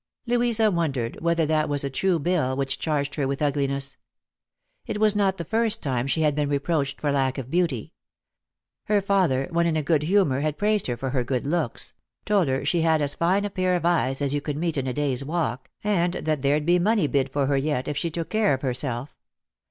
Louisa wondered whether that was a true bill which charged her with ugliness. It was not the first time she had been reproached for lack of beauty. Her father, when in a good humour had praised her for her good looks — told her she had as fine a pair of eyes as you could meet in a day's walk, and that there'd be money bid for her yet, if she took care of herself.